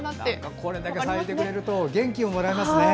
これぐらい咲いてくれると元気をもらえますね。